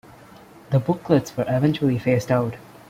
The booklets were eventually phased out.